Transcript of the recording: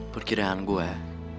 perkiraan gue ya